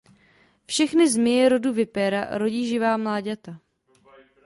Všechny zmije rodu Vipera rodí živá mláďata.